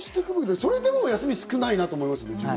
それでも休み少ないなと思います。